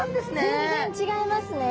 全然違いますね。